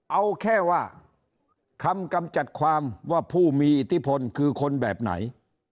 เอาแค่ว่าคำกำจัดความว่าผู้มีอิทธิพลคือคนแบบไหน